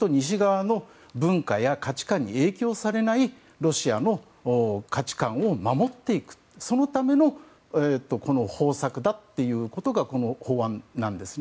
つまり、西側の文化や価値観に影響されない価値観を守っていくための方策だということがこの法案なんですね。